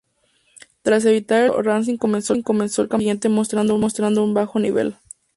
Tras evitar el descenso, Racing comenzó el campeonato siguiente mostrando un bajo nivel.